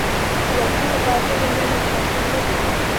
د واکسین لپاره ټول عمرونه مناسب نه دي.